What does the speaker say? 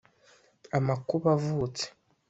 Amakuba avutse :